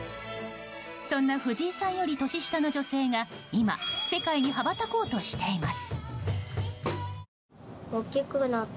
そんな藤井さんより年下の女性が今、世界に羽ばたこうとしています。